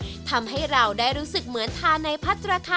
คนที่มาทานอย่างเงี้ยควรจะมาทานแบบคนเดียวนะครับ